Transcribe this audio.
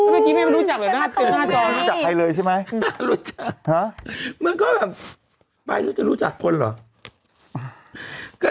ดึงก็แบบไม่รู้จักคนหรอ